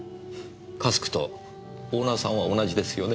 「Ｃａｓｋ」とオーナーさんは同じですよね？